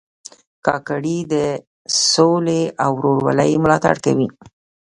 کاکړي د سولې او ورورولۍ ملاتړ کوي.